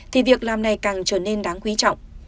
thì việc làm này càng trở nên đáng quý trọng